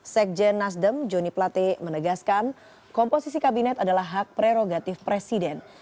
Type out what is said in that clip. sekjen nasdem joni plate menegaskan komposisi kabinet adalah hak prerogatif presiden